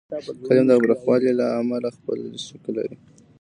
کالم د پراخوالي له امله خپل شکل لري.